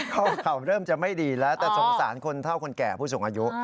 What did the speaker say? ข่าวเริ่มจะไม่ดีแล้วแต่สงสารคนเท่าคนแก่ผู้สูงอายุ